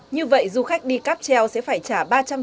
như vậy du khách đi cắp treo sẽ phải trả ba trăm sáu mươi